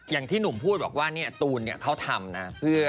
อย่างที่หนุ่มพูดว่าตูนเขาทำนะ